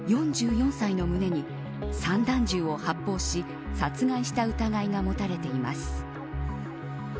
４４歳の胸に散弾銃を発砲し殺害した疑いが持たれています。